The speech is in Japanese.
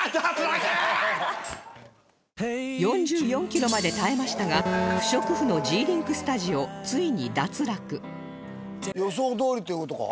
４４キロまで耐えましたが不織布のジーリンクスタジオついに脱落予想どおりという事か？